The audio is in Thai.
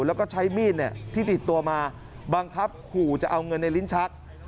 แล้วก็ใช้มีดที่ติดตัวมาบังคับขู่จะเอาเงินในลิ้นชัก